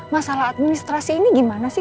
masalah administrasi ini gimana sih